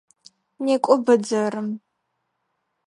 Некӏо бэдзэрым!